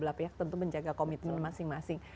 jadi kita bisa menjaga komitmen masing masing